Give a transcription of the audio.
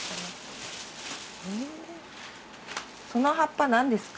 その葉っぱ何ですか？